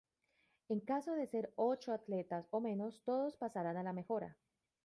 En caso de ser ocho atletas o menos, todos pasarán a la mejora.